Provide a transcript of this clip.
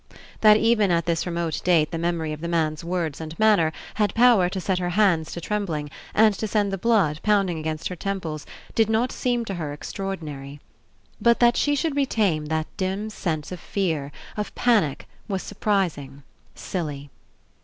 That even at this remote date the memory of the man's words and manner had power to set her hands to trembling and to send the blood pounding against her temples did not seem to her extra ordinary. But that she should retain that dim 87 PASSING sense of fear, of panic, was surprising, silly.